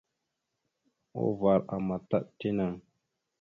Uvar àmataɗ tinaŋ.